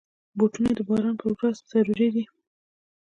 بوټونه د باران پر ورځ ضروري دي.